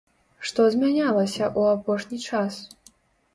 Што змянялася ў апошні час?